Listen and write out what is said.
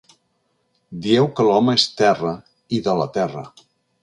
Dieu que l’home és terra i de la terra.